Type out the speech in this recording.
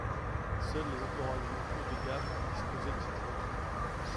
Seuls les autoradios haut de gamme disposaient de cette fonction.